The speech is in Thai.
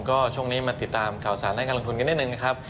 ก็ช่วงนี้มาติดตามข่าวสารด้านการลงทุนกันนิดนึงนะครับ